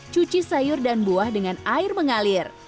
cuci sayur dan buah dengan air mengalir